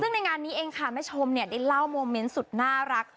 ซึ่งในงานนี้เองค่ะแม่ชมเนี่ยได้เล่าโมเมนต์สุดน่ารัก